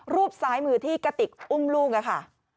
รูปซ้ายมือที่กระติกอุ้มรูมด้วยค่ะ